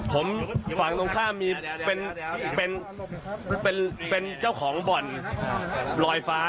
ผมฝั่งตรงข้ามมีเป็นเจ้าของบ่อนลอยฟ้า